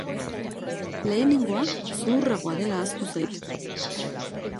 Lehenengoa zuhurragoa dela ahaztu zait.